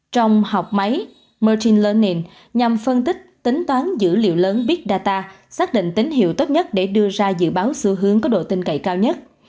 trong học máy matine learning nhằm phân tích tính toán dữ liệu lớn big data xác định tín hiệu tốt nhất để đưa ra dự báo xu hướng có độ tin cậy cao nhất